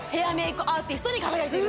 クアーティストに輝いているんです